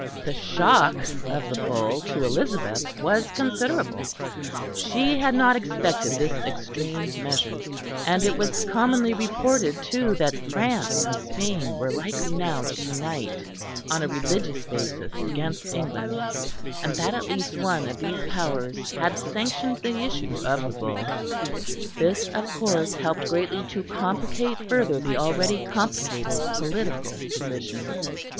The shock of the Bull to Elizabeth was considerable; she had not expected this extreme measure; and it was commonly reported too that France and Spain were likely now to unite on a religious basis against England; and that at least one of these Powers had sanctioned the issue of the Bull. This of course helped greatly to complicate further the already complicated political position.